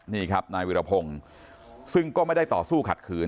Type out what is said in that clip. นี่ครับนายวิรพงศ์ซึ่งก็ไม่ได้ต่อสู้ขัดขืน